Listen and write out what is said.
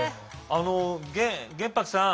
あの玄白さん。